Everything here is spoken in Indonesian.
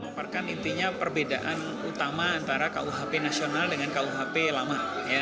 memaparkan intinya perbedaan utama antara kuhp nasional dengan kuhp lama